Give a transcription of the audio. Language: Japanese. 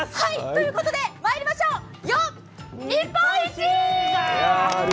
ということでまいりましょうよっ、日本一！